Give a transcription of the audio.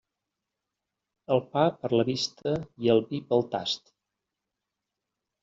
El pa per la vista i el vi pel tast.